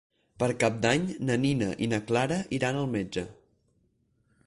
Per Cap d'Any na Nina i na Clara iran al metge.